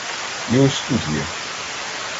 І ось тут є!